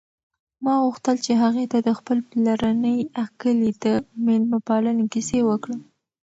ما غوښتل چې هغې ته د خپل پلارني کلي د مېلمه پالنې کیسې وکړم.